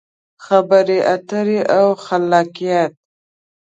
خبرې اترې او خلاقیت: